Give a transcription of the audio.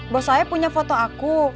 bos saeb punya foto aku